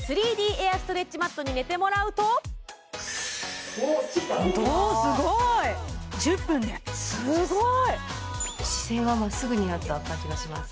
エアストレッチマットに寝てもらうとおっついた１０分ですごい姿勢がまっすぐになった感じがします